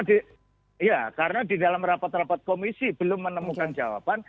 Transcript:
iya karena di dalam rapat rapat komisi belum menemukan jawaban